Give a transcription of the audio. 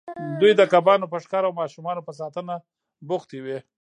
دوی د کبانو په ښکار او ماشومانو په ساتنه بوختې وې.